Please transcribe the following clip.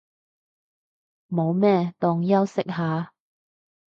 冇咩，當休息下